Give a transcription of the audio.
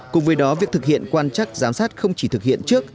cùng với đó việc thực hiện quan chắc giám sát không chỉ thực hiện trước